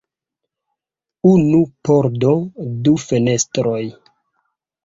Unu pordo, du fenestroj.